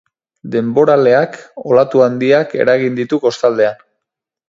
Denboraleak olatu handiak eragin ditu kostaldean.